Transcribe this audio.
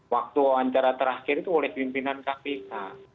waktu wawancara terakhir itu oleh pimpinan kpk